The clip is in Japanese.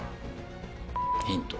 ヒント？